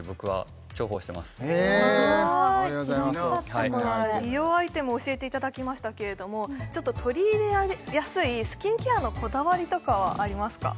知らなかったこれ美容アイテム教えていただきましたけれどもちょっと取り入れやすいスキンケアのこだわりとかはありますか？